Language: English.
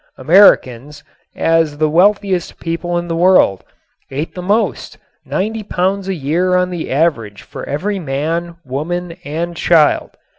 Americans, as the wealthiest people in the world, ate the most, ninety pounds a year on the average for every man, woman and child.